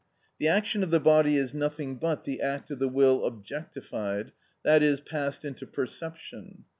The action of the body is nothing but the act of the will objectified, i.e., passed into perception.